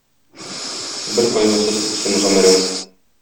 Бер кайгысыз үтсен гомерең.